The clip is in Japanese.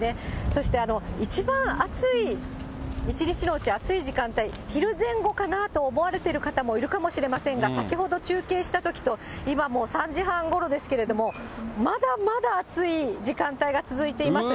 そして一番暑い、一日のうち暑い時間帯、昼前後かなと思われてる方もいるかもしれませんが、先ほど中継したときと、今もう３時半ごろですけれども、まだまだ暑い時間帯が続いています。